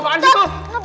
nggak pernah nabrak lagi